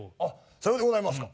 さようでございますか。